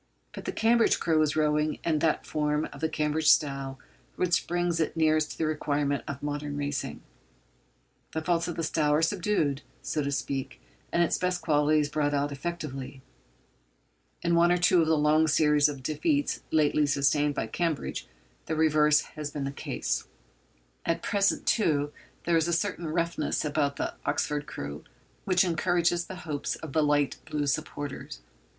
But the Cambridge crew is rowing in that form of the Cambridge style which brings it nearest to the requirements of modern racing. The faults of the style are subdued, so to speak, and its best qualities brought out effectively. In one or two of the long series of defeats lately sustained by Cambridge the reverse has been the case. At present, too, there is a certain roughness about the Oxford crew which encourages the hopes of the light blue supporters.